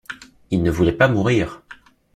Il ne voulait pas mourir!..